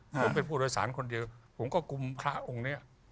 ผมเป็นผู้โดยสารคนเดียวผมก็กลุ่มพระองค์นี้